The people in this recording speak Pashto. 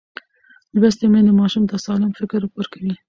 لوستې میندې ماشوم ته سالم فکر ورکوي.